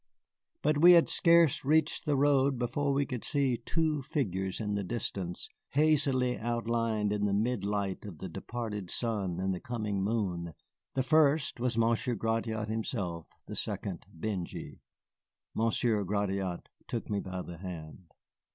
But we had scarce reached the road before we could see two figures in the distance, hazily outlined in the mid light of the departed sun and the coming moon. The first was Monsieur Gratiot himself, the second Benjy. Monsieur Gratiot took me by the hand.